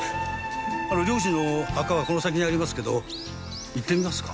両親の墓はこの先にありますけど行ってみますか？